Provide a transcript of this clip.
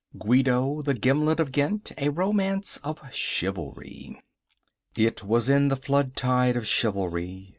Guido the Gimlet of Ghent: A Romance of Chivalry It was in the flood tide of chivalry.